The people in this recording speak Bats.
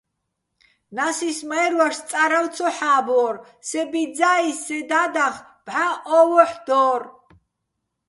ნასის მაჲრვაშო̆ წარავ ცო ჰ̦ა́ბვორ, სე ბიძძა́ის სე და́დახ ბჵა "ო ვოჰ̦" დო́რ.